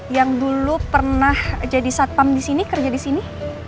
yang dulu pernah jadi satpam di sini kerja di sini